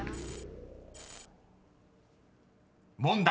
［問題。